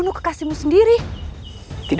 aku akan menangkapmu